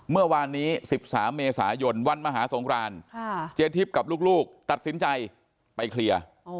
เมื่อวานนี้๑๓เมษายนวันมหาสงครานเจทิพย์กับลูกตัดสินใจไปเคลียร์